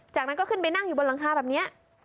จากนั้นก็ขึ้นไปนั่งอยู่บนหลังคาแบบนี้